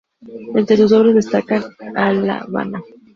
Entre sus obras destacan "¡A L’Habana!